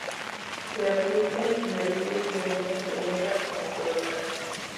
Se admiten narices y uñas tanto negras como color carne.